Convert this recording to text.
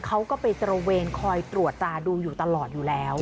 เขาก็ไปตระเวนคอยตรวจตราดูอยู่ตลอดอยู่แล้ว